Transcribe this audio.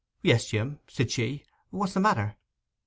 'Yes, Jim,' said she. 'What's the matter?